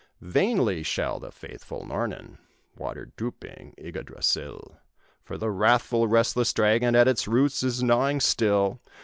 "Vainly shall the faithful Nornen Water drooping Yggdrasill, For the wrathful, restless dragon At its roots is gnawing still.